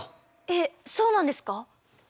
えっそうなんですか？